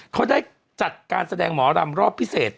เขาได้จัดการแสดงหมอรำรอบพิเศษ